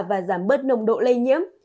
và giảm bớt nồng độ lây nhiễm